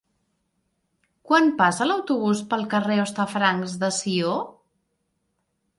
Quan passa l'autobús pel carrer Hostafrancs de Sió?